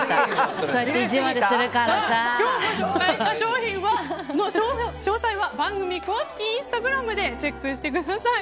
今日ご紹介した商品の詳細は番組公式インスタグラムでチェックしてください。